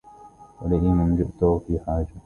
ولئيم جئته في حاجة